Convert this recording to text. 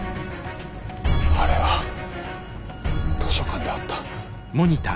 あれは図書館で会った。